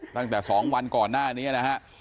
ตั้งแต่๒วันก่อนหน้านี้นะฮะ